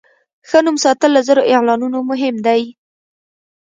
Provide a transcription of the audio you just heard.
ښه نوم ساتل له زر اعلانونو مهم دی.